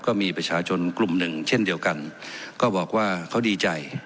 ก็มีประชาชนกลุ่มหนึ่งเช่นเดียวกันก็บอกว่าเขาดีใจ